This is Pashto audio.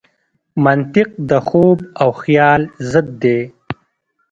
منطق د خوب او خیال ضد دی.